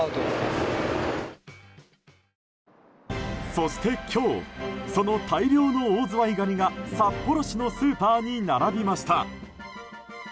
そして今日その大量のオオズワイガニが札幌市のスーパーに並びました。